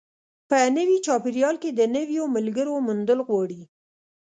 په نوي چاپېریال کې د نویو ملګرو موندل غواړي.